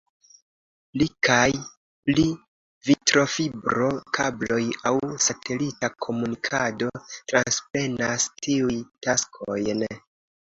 Pli kaj pli vitrofibro-kabloj aŭ satelita komunikado transprenas tiuj taskojn.